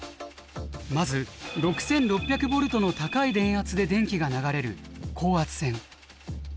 まず６，６００ボルトの高い電圧で電気が流れる高圧線。